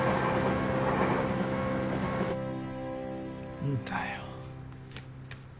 何だよ。